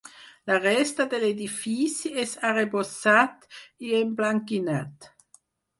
La resta de l'edifici és arrebossat i emblanquinat.